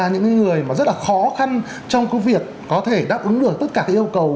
những người mà rất là khó khăn trong cái việc có thể đáp ứng được tất cả cái yêu cầu